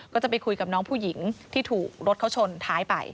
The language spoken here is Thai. ก็จะไปคุยกับน้องผู้หญิงที่ถูกรถเขาชนท้ายไป